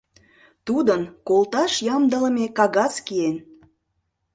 Тудын колташ ямдылыме кагаз киен.